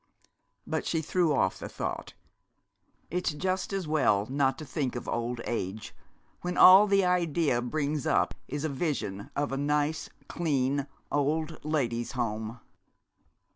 But she threw off the thought. It's just as well not to think of old age when all the idea brings up is a vision of a nice, clean Old Ladies' Home.